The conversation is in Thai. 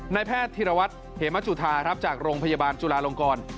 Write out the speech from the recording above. นายแพทย์ธิรวัติเหมจุธาจากโรงพยาบาลจุลาลงกร